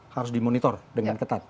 harus dimonitor dengan ketat